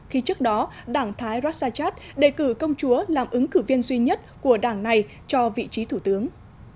khi trước đó đảng thái raksat đề cử công chúa làm ứng cử viên duy nhất của đảng này cho vị trí thủ tướng